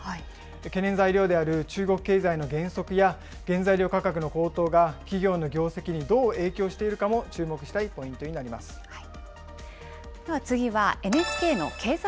懸念材料である中国経済の減速や、原材料価格の高騰が企業の業績にどう影響しているかも注目したいでは次はＮＨＫの経済